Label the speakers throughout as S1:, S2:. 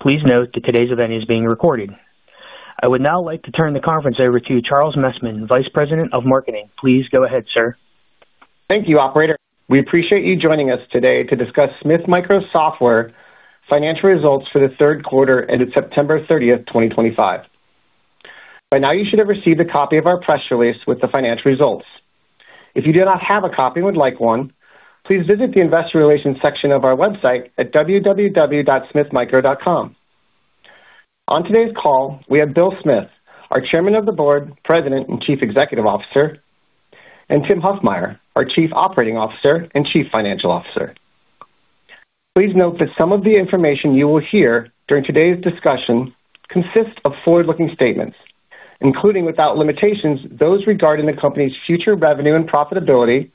S1: Please note that today's event is being recorded. I would now like to turn the conference over to Charles Messman, Vice President of Marketing. Please go ahead, sir.
S2: Thank you, Operator. We appreciate you joining us today to discuss Smith Micro Software's financial results for the third quarter ended September 30th, 2025. By now, you should have received a copy of our press release with the financial results. If you do not have a copy and would like one, please visit the investor relations section of our website at www.smithmicro.com. On today's call, we have Bill Smith, our Chairman of the Board, President, and Chief Executive Officer, and Tim Huffmyer, our Chief Operating Officer and Chief Financial Officer. Please note that some of the information you will hear during today's discussion consists of forward-looking statements, including without limitations those regarding the company's future revenue and profitability.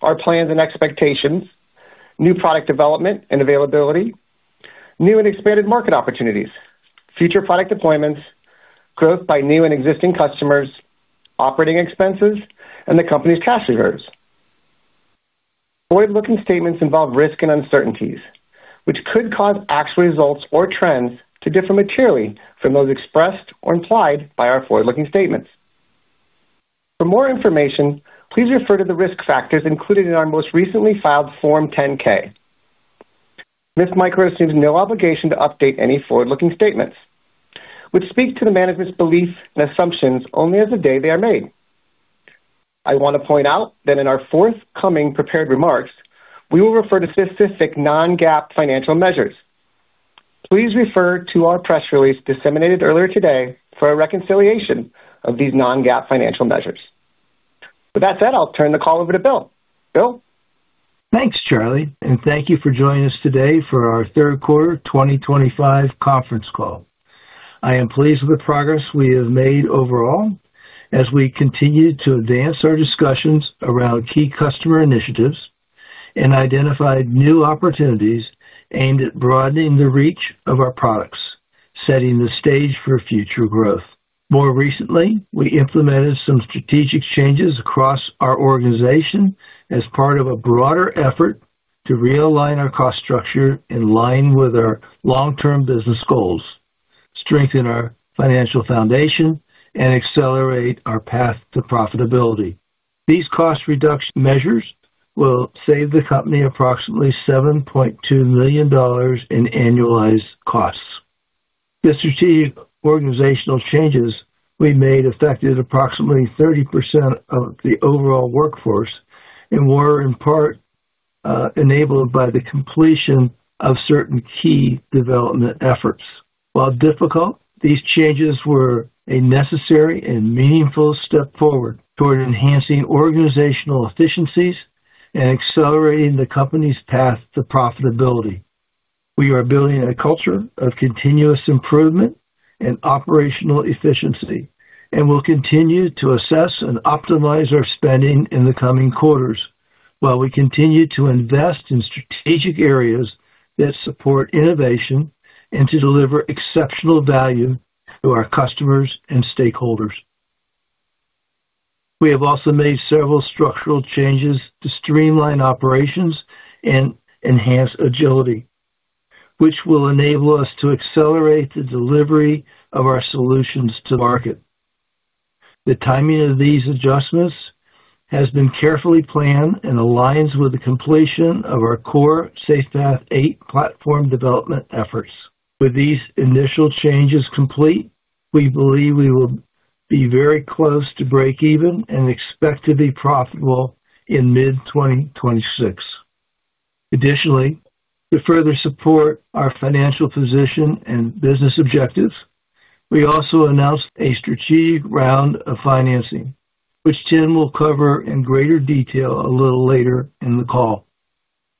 S2: Our plans and expectations, new product development and availability, new and expanded market opportunities, future product deployments, growth by new and existing customers, operating expenses, and the company's cash reserves. Forward-looking statements involve risk and uncertainties, which could cause actual results or trends to differ materially from those expressed or implied by our forward-looking statements. For more information, please refer to the risk factors included in our most recently filed Form 10-K. Smith Micro assumes no obligation to update any forward-looking statements, which speak to the management's beliefs and assumptions only as of the day they are made. I want to point out that in our forthcoming prepared remarks, we will refer to specific non-GAAP financial measures. Please refer to our press release disseminated earlier today for a reconciliation of these non-GAAP financial measures. With that said, I'll turn the call over to Bill. Bill.
S3: Thanks, Charlie, and thank you for joining us today for our third quarter 2025 conference call. I am pleased with the progress we have made overall as we continue to advance our discussions around key customer initiatives and identified new opportunities aimed at broadening the reach of our products, setting the stage for future growth. More recently, we implemented some strategic changes across our organization as part of a broader effort to realign our cost structure in line with our long-term business goals, strengthen our financial foundation, and accelerate our path to profitability. These cost reduction measures will save the company approximately $7.2 million in annualized costs. The strategic organizational changes we made affected approximately 30% of the overall workforce and were in part. Enabled by the completion of certain key development efforts. While difficult, these changes were a necessary and meaningful step forward toward enhancing organizational efficiencies and accelerating the company's path to profitability. We are building a culture of continuous improvement and operational efficiency and will continue to assess and optimize our spending in the coming quarters while we continue to invest in strategic areas that support innovation and to deliver exceptional value to our customers and stakeholders. We have also made several structural changes to streamline operations and enhance agility, which will enable us to accelerate the delivery of our solutions to the market. The timing of these adjustments has been carefully planned and aligns with the completion of our core SafePath 8 Platform Development Efforts. With these initial changes complete, we believe we will be very close to breakeven and expect to be profitable in mid-2026. Additionally, to further support our financial position and business objectives, we also announced a strategic round of financing, which Tim will cover in greater detail a little later in the call.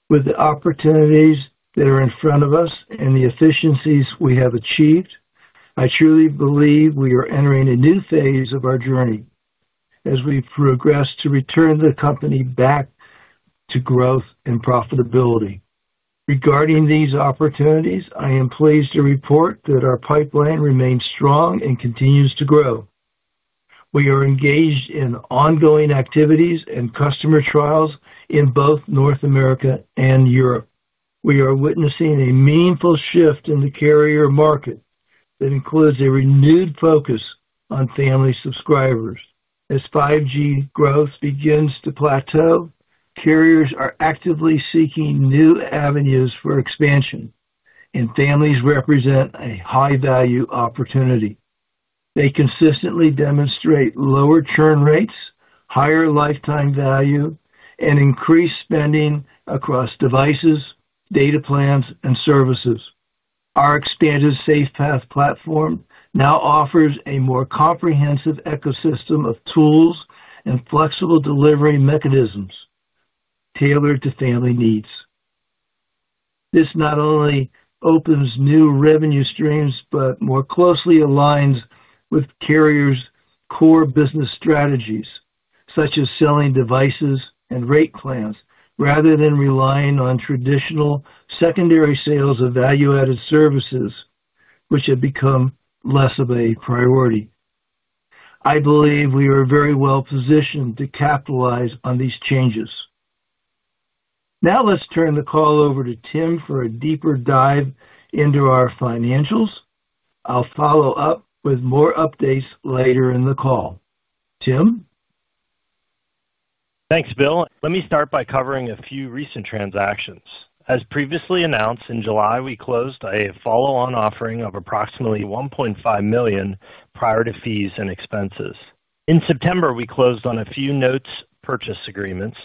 S3: With the opportunities that are in front of us and the efficiencies we have achieved, I truly believe we are entering a new phase of our journey as we progress to return the company back to growth and profitability. Regarding these opportunities, I am pleased to report that our pipeline remains strong and continues to grow. We are engaged in ongoing activities and customer trials in both North America and Europe. We are witnessing a meaningful shift in the carrier market that includes a renewed focus on family subscribers. As 5G growth begins to plateau, carriers are actively seeking new avenues for expansion, and families represent a high-value opportunity. They consistently demonstrate lower churn rates, higher lifetime value, and increased spending across devices, data plans, and services. Our expanded SafePath platform now offers a more comprehensive ecosystem of tools and flexible delivery mechanisms. Tailored to family needs. This not only opens new revenue streams but more closely aligns with carriers' core business strategies, such as selling devices and rate plans rather than relying on traditional secondary sales of value-added services, which have become less of a priority. I believe we are very well positioned to capitalize on these changes. Now, let's turn the call over to Tim for a deeper dive into our financials. I'll follow up with more updates later in the call. Tim.
S4: Thanks, Bill. Let me start by covering a few recent transactions. As previously announced, in July, we closed a follow-on offering of approximately $1.5 million prior to fees and expenses. In September, we closed on a few notes purchase agreements,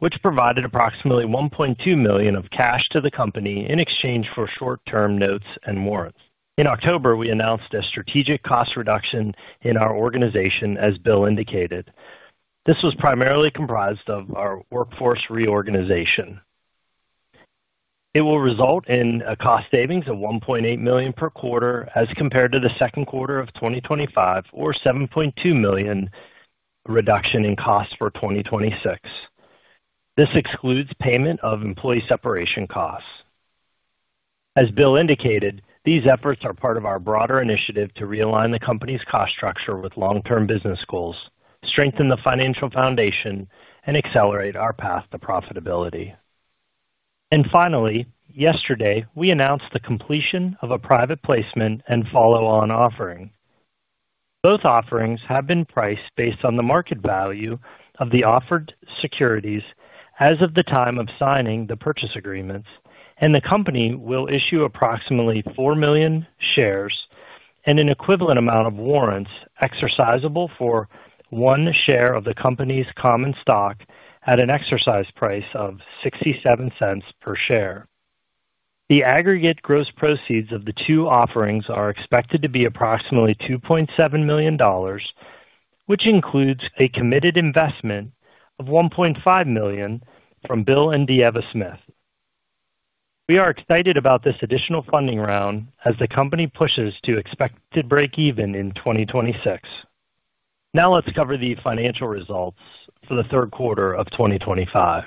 S4: which provided approximately $1.2 million of cash to the company in exchange for short-term notes and warrants. In October, we announced a strategic cost reduction in our organization, as Bill indicated. This was primarily comprised of our workforce reorganization. It will result in a cost savings of $1.8 million per quarter as compared to the second quarter of 2025, or a $7.2 million. Reduction in costs for 2026. This excludes payment of employee separation costs. As Bill indicated, these efforts are part of our broader initiative to realign the company's cost structure with long-term business goals, strengthen the financial foundation, and accelerate our path to profitability. And finally, yesterday, we announced the completion of a private placement and follow-on offering. Both offerings have been priced based on the market value of the offered securities as of the time of signing the purchase agreements, and the company will issue approximately 4 million shares and an equivalent amount of warrants exercisable for. One share of the company's common stock at an exercise price of $0.67 per share. The aggregate gross proceeds of the two offerings are expected to be approximately $2.7 million. Which includes a committed investment of $1.5 million from Bill and Deeva Smith. We are excited about this additional funding round as the company pushes to expected breakeven in 2026. Now, let's cover the financial results for the third quarter of 2025.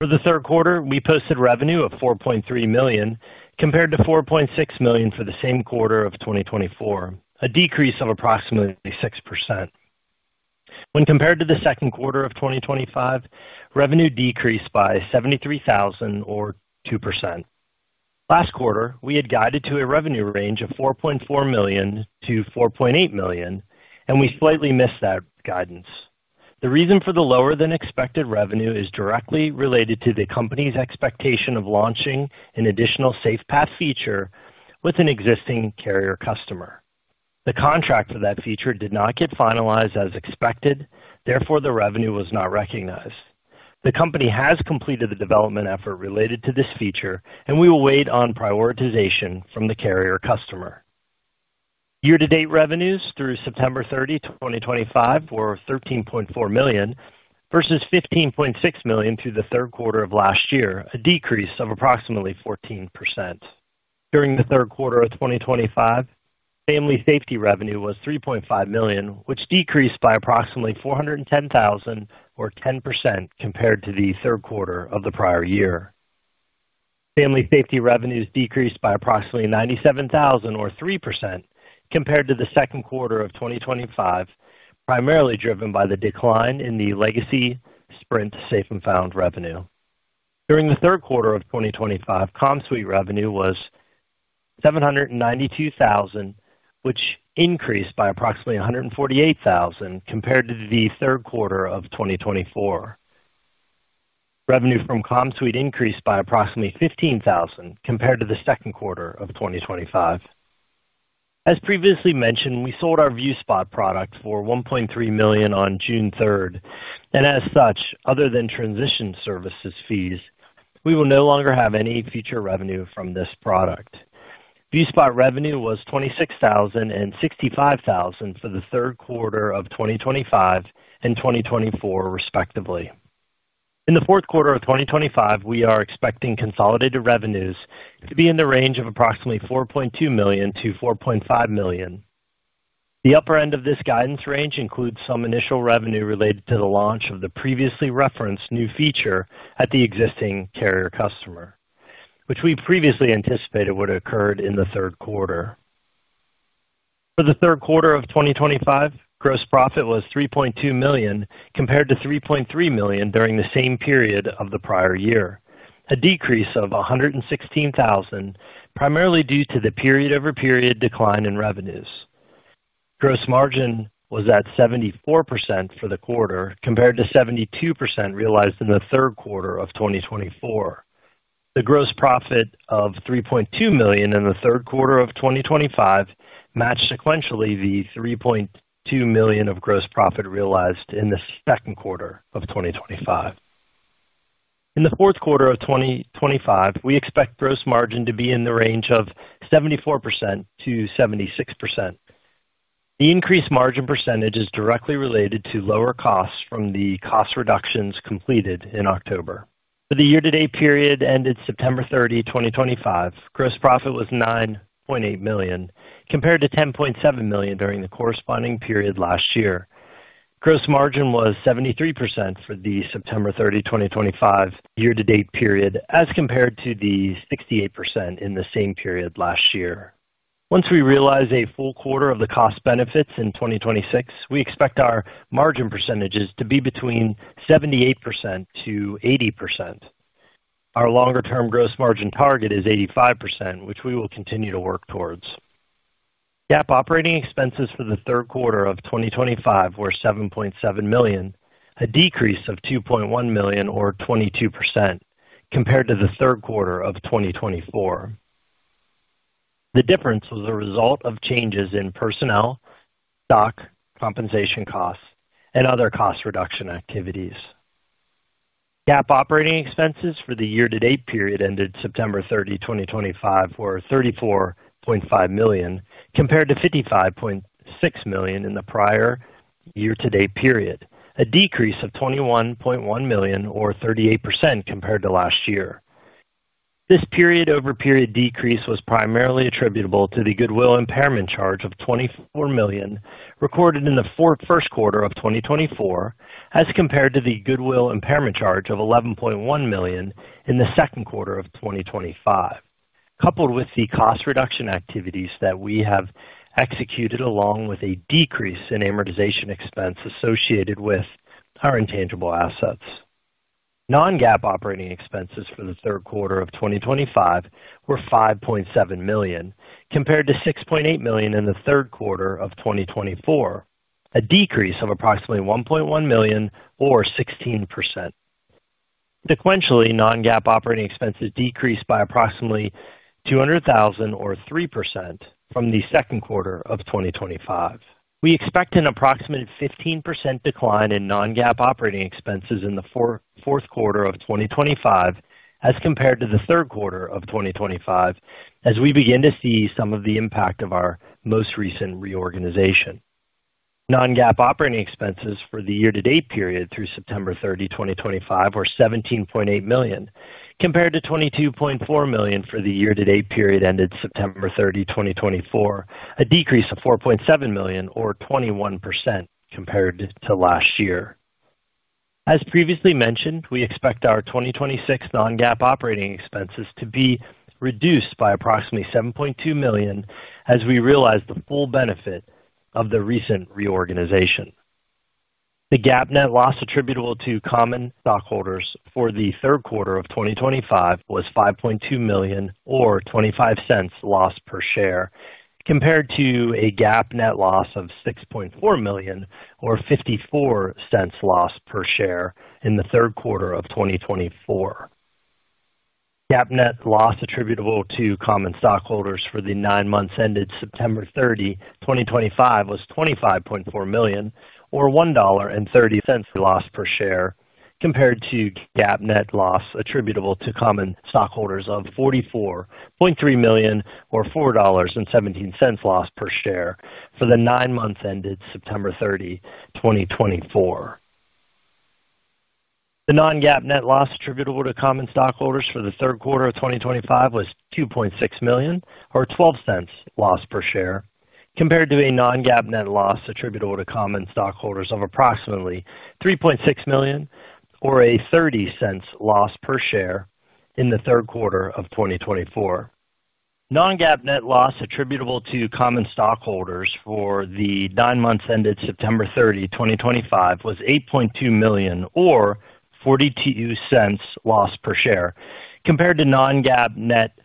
S4: For the third quarter, we posted revenue of $4.3 million compared to $4.6 million for the same quarter of 2024, a decrease of approximately 6%. When compared to the second quarter of 2025, revenue decreased by $73,000, or 2%. Last quarter, we had guided to a revenue range of $4.4 million to $4.8 million, and we slightly missed that guidance. The reason for the lower-than-expected revenue is directly related to the company's expectation of launching an additional SafePath feature with an existing carrier customer. The contract for that feature did not get finalized as expected. Therefore, the revenue was not recognized. The company has completed the development effort related to this feature, and we will wait on prioritization from the carrier customer. Year-to-date revenues through September 30, 2025, were $13.4 million versus $15.6 million through the third quarter of last year, a decrease of approximately 14%. During the third quarter of 2025, family safety revenue was $3.5 million, which decreased by approximately $410,000, or 10%, compared to the third quarter of the prior year. Family safety revenues decreased by approximately $97,000, or 3%, compared to the second quarter of 2025, primarily driven by the decline in the legacy Sprint Safe and Found revenue. During the third quarter of 2025, CommSuite revenue was $792,000, which increased by approximately $148,000 compared to the third quarter of 2024. Revenue from CommSuite increased by approximately $15,000 compared to the second quarter of 2025. As previously mentioned, we sold our ViewSpot product for $1.3 million on June 3rd, and as such, other than transition services fees, we will no longer have any future revenue from this product. ViewSpot revenue was $26,000 and $65,000 for the third quarter of 2025 and 2024, respectively. In the fourth quarter of 2025, we are expecting consolidated revenues to be in the range of approximately $4.2 million to $4.5 million. The upper end of this guidance range includes some initial revenue related to the launch of the previously referenced new feature at the existing carrier customer, which we previously anticipated would have occurred in the third quarter. For the third quarter of 2025, gross profit was $3.2 million compared to $3.3 million during the same period of the prior year, a decrease of $116,000 primarily due to the period-over-period decline in revenues. Gross margin was at 74% for the quarter compared to 72% realized in the third quarter of 2024. The gross profit of $3.2 million in the third quarter of 2025 matched sequentially the $3.2 million of gross profit realized in the second quarter of 2025. In the fourth quarter of 2025, we expect gross margin to be in the range of 74% to 76%. The increased margin percentage is directly related to lower costs from the cost reductions completed in October. For the year-to-date period ended September 30, 2025, gross profit was $9.8 million compared to $10.7 million during the corresponding period last year. Gross margin was 73% for the September 30, 2025, year-to-date period as compared to the 68% in the same period last year. Once we realize a full quarter of the cost benefits in 2026, we expect our margin percentages to be between 78% to 80%. Our longer-term gross margin target is 85%, which we will continue to work towards. GAAP operating expenses for the third quarter of 2025 were $7.7 million, a decrease of $2.1 million, or 22%, compared to the third quarter of 2024. The difference was a result of changes in personnel, stock compensation costs, and other cost reduction activities. GAAP operating expenses for the year-to-date period ended September 30, 2025, were $34.5 million compared to $55.6 million in the prior year-to-date period, a decrease of $21.1 million, or 38%, compared to last year. This period-over-period decrease was primarily attributable to the Goodwill Impairment charge of $24 million recorded in the first quarter of 2024 as compared to the Goodwill Impairment charge of $11.1 million in the second quarter of 2025, coupled with the cost reduction activities that we have executed, along with a decrease in amortization expense associated with our intangible assets. Non-GAAP operating expenses for the third quarter of 2025 were $5.7 million compared to $6.8 million in the third quarter of 2024, a decrease of approximately $1.1 million, or 16%. Sequentially, non-GAAP operating expenses decreased by approximately $200,000, or 3%, from the second quarter of 2025. We expect an approximate 15% decline in non-GAAP operating expenses in the fourth quarter of 2025 as compared to the third quarter of 2025, as we begin to see some of the impact of our most recent reorganization. Non-GAAP operating expenses for the year-to-date period through September 30, 2025, were $17.8 million compared to $22.4 million for the year-to-date period ended September 30, 2024, a decrease of $4.7 million, or 21%, compared to last year. As previously mentioned, we expect our 2026 non-GAAP operating expenses to be reduced by approximately $7.2 million as we realize the full benefit of the recent reorganization. The GAAP net loss attributable to common stockholders for the third quarter of 2025 was $5.2 million, or $0.25 loss per share, compared to a GAAP net loss of $6.4 million, or $0.54 loss per share in the third quarter of 2024. GAAP net loss attributable to common stockholders for the nine months ended September 30, 2025, was $25.4 million, or $1.30 loss per share, compared to GAAP net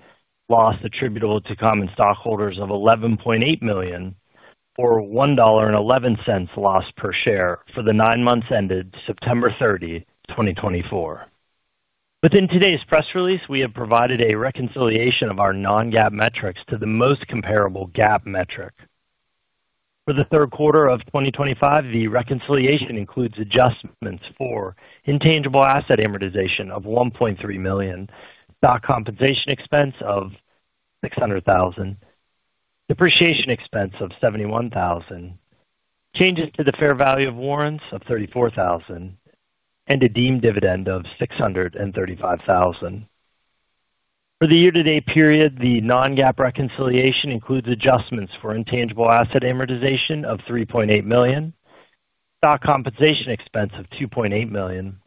S4: stock compensation expense of. $600,000. Depreciation expense of $71,000. Changes to the fair value of warrants of $34,000, and a deemed dividend of $635,000. For the year-to-date period, the non-GAAP reconciliation includes adjustments for intangible asset amortization of $3.8 million, stock compensation expense of $2.8 million,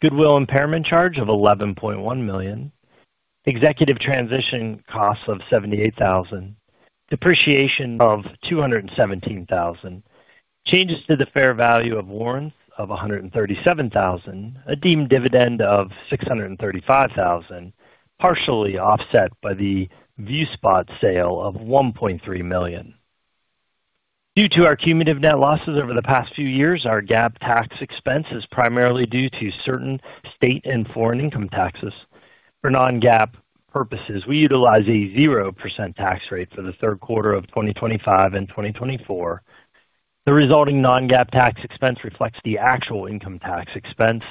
S4: Goodwill Impairment charge of $11.1 million, executive transition cost of $78,000, depreciation of $217,000, changes to the fair value of warrants of $137,000, a deemed dividend of $635,000, partially offset by the ViewSpot sale of $1.3 million. Due to our cumulative net losses over the past few years, our GAAP tax expense is primarily due to certain state and foreign income taxes. For non-GAAP purposes, we utilize a 0% tax rate for the third quarter of 2025 and 2024. The resulting non-GAAP tax expense reflects the actual income tax expense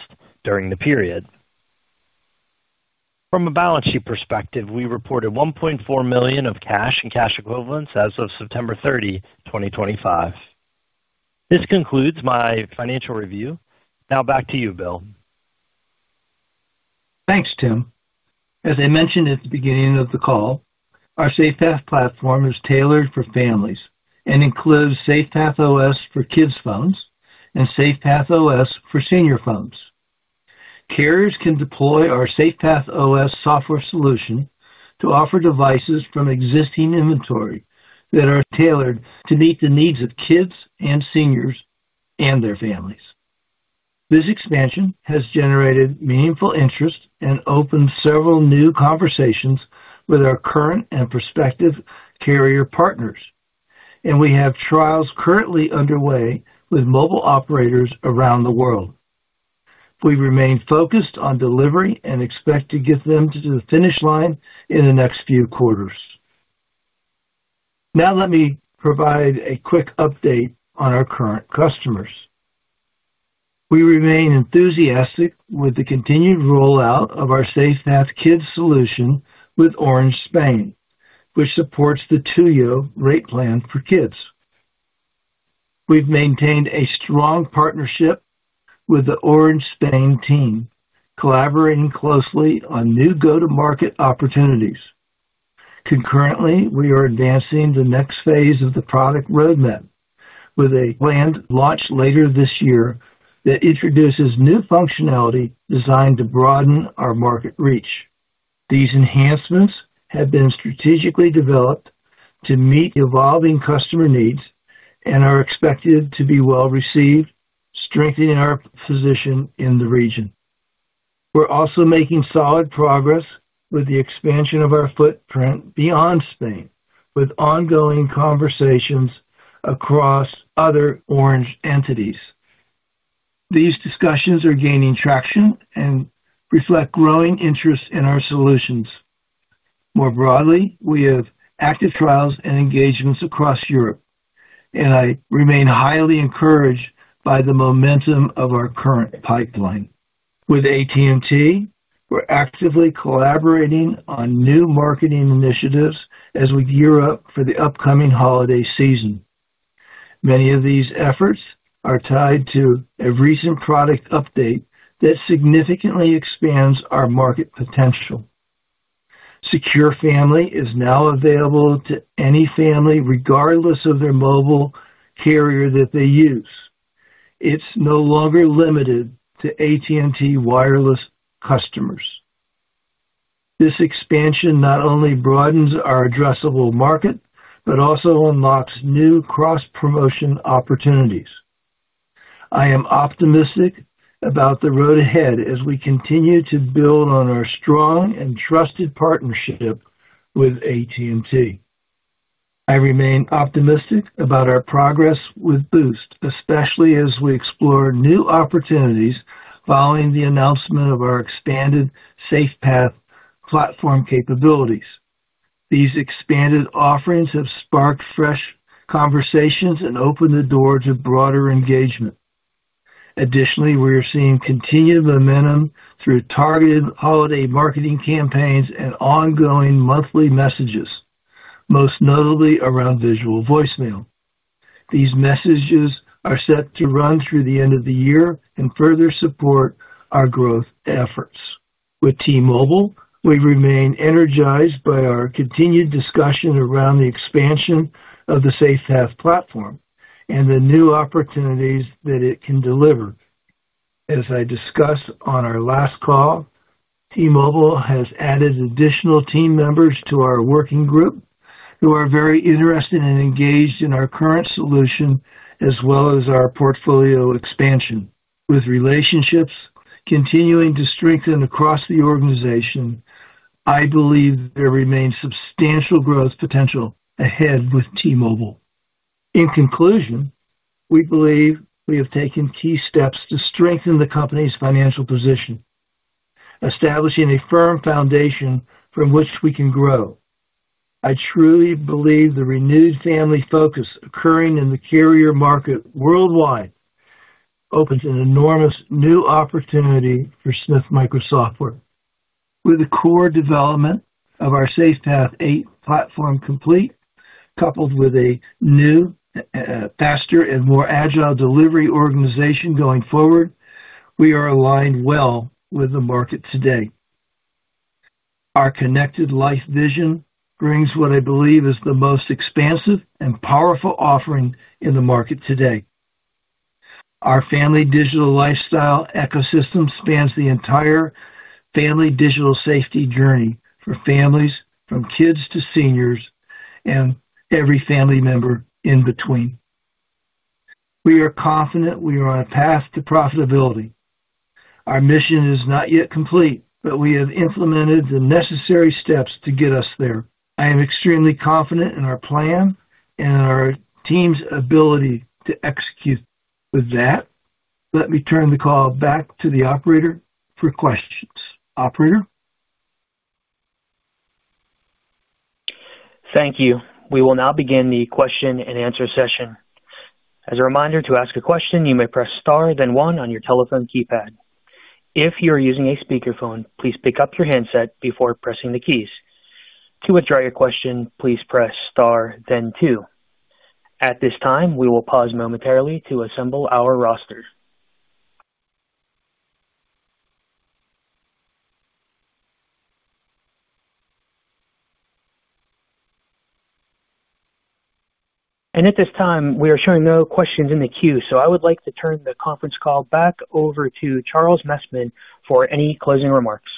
S4: during the period. From a balance sheet perspective, we reported $1.4 million of cash and cash equivalents as of September 30, 2025. This concludes my financial review. Now, back to you, Bill. Thanks, Tim.
S3: As I mentioned at the beginning of the call, our SafePath platform is tailored for families and includes SafePath OS for kids' phones and SafePath OS for senior phones. Carriers can deploy our SafePath OS software solution to offer devices from existing inventory that are tailored to meet the needs of kids and seniors and their families. This expansion has generated meaningful interest and opened several new conversations with our current and prospective carrier partners, and we have trials currently underway with mobile operators around the world. We remain focused on delivery and expect to get them to the finish line in the next few quarters. Now, let me provide a quick update on our current customers. We remain enthusiastic with the continued rollout of our SafePath Kids solution with Orange Spain, which supports the Tuyo rate plan for kids. We've maintained a strong partnership with the Orange Spain team, collaborating closely on new go-to-market opportunities. Concurrently, we are advancing the next phase of the product roadmap with a planned launch later this year that introduces new functionality designed to broaden our market reach. These enhancements have been strategically developed to meet evolving customer needs and are expected to be well received, strengthening our position in the region. We're also making solid progress with the expansion of our footprint beyond Spain, with ongoing conversations across other Orange entities. These discussions are gaining traction and reflect growing interest in our solutions. More broadly, we have active trials and engagements across Europe, and I remain highly encouraged by the momentum of our current pipeline. With AT&T, we're actively collaborating on new marketing initiatives as we gear up for the upcoming holiday season. Many of these efforts are tied to a recent product update that significantly expands our market potential. Secure Family is now available to any family, regardless of their mobile carrier that they use. It's no longer limited to AT&T wireless customers. This expansion not only broadens our addressable market but also unlocks new cross-promotion opportunities. I am optimistic about the road ahead as we continue to build on our strong and trusted partnership with AT&T. I remain optimistic about our progress with Boost, especially as we explore new opportunities following the announcement of our expanded SafePath platform capabilities. These expanded offerings have sparked fresh conversations and opened the door to broader engagement. Additionally, we are seeing continued momentum through targeted holiday marketing campaigns and ongoing monthly messages, most notably around visual voicemail. These messages are set to run through the end of the year and further support our growth efforts. With T-Mobile, we remain energized by our continued discussion around the expansion of the SafePath platform and the new opportunities that it can deliver. As I discussed on our last call. T-Mobile has added additional team members to our working group who are very interested and engaged in our current solution as well as our portfolio expansion. With relationships continuing to strengthen across the organization, I believe there remains substantial growth potential ahead with T-Mobile. In conclusion, we believe we have taken key steps to strengthen the company's financial position. Establishing a firm foundation from which we can grow. I truly believe the renewed family focus occurring in the carrier market worldwide. Opens an enormous new opportunity for Smith Micro Software. With the core development of our SafePath 8 platform complete, coupled with a new. Faster and more agile delivery organization going forward, we are aligned well with the market today. Our connected life vision brings what I believe is the most expansive and powerful offering in the market today. Our family digital lifestyle ecosystem spans the entire. Family digital safety journey for families, from kids to seniors and every family member in between. We are confident we are on a path to profitability. Our mission is not yet complete, but we have implemented the necessary steps to get us there. I am extremely confident in our plan and in our team's ability to execute. With that, let me turn the call back to the operator for questions. Operator.
S1: Thank you. We will now begin the question and answer session. As a reminder, to ask a question, you may press star then one on your telephone keypad. If you are using a speakerphone, please pick up your handset before pressing the keys. To withdraw your question, please press star then two. At this time, we will pause momentarily to assemble our roster. And at this time, we are showing no questions in the queue, so I would like to turn the conference call back over to Charles Messman for any closing remarks.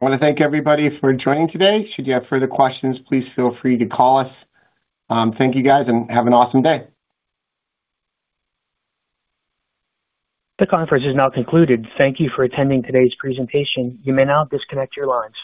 S2: I want to thank everybody for joining today. Should you have further questions, please feel free to call us. Thank you, guys, and have an awesome day.
S1: The conference is now concluded. Thank you for attending today's presentation. You may now disconnect your lines.